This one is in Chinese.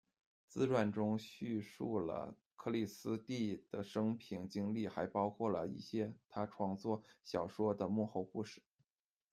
自传中叙述了克莉丝蒂的生平经历，还包括了一些她创作小说的幕后故事。